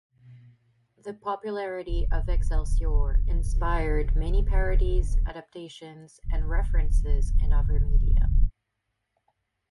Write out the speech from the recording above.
The popularity of "Excelsior" inspired many parodies, adaptations, and references in other media.